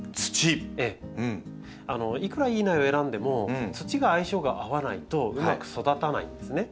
いくらいい苗を選んでも土が相性が合わないとうまく育たないんですね。